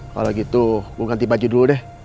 kalau gitu gue ganti baju dulu deh